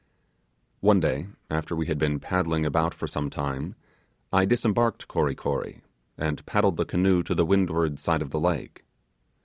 One day, after we had been paddling about for some time, I disembarked Kory Kory, and paddled the canoe to the windward side of the lake.